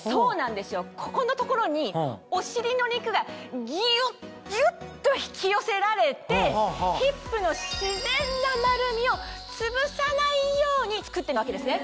ここの所にお尻の肉がぎゅっぎゅっ！と引き寄せられてヒップの自然な丸みをつぶさないように作ってるわけですね。